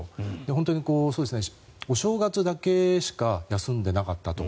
本当にお正月だけしか休んでいなかったと。